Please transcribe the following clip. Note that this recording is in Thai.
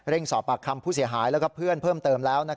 สอบปากคำผู้เสียหายและเพื่อนเพิ่มเติมแล้ว